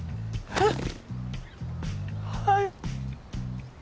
えっ！？